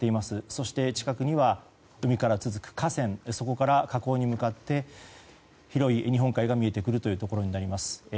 そして、近くには海から続く河川そこから河口に向かって広い日本海が見えてくるところになります。